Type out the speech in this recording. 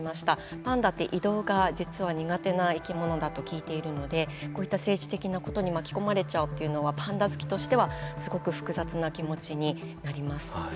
パンダって移動が実は苦手な生き物だと聞いているのでこういった政治的なことに巻き込まれちゃうというのはパンダ好きとしてはすごく複雑な気持ちになります。